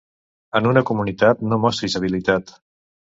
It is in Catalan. En una comunitat no mostris habilitat.